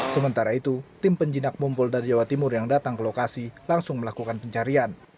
sementara itu tim penjinak mumpul dari jawa timur yang datang ke lokasi langsung melakukan pencarian